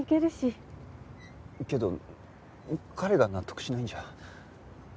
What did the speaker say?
けど彼が納得しないんじゃ？